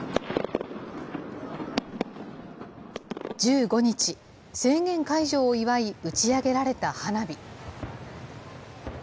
１５日、制限解除を祝い、打ち上げられた花火。